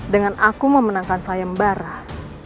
dengan aku memenangkan saimbarah